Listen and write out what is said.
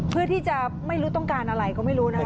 เพื่อที่จะไม่รู้ต้องการอะไรก็ไม่รู้นะคะ